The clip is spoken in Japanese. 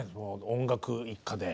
音楽一家で。